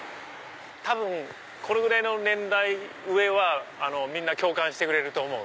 多分これぐらいの年代上はみんな共感してくれると思う。